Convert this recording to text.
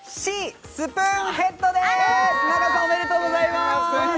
おめでとうございます！